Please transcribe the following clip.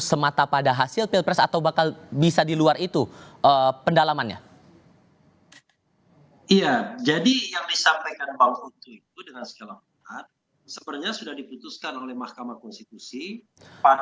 tetapi pembuktiannya masih belum cukup belum adequate untuk membuktikan